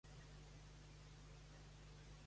Va ser l'últim governador de Utah abans de ser estat.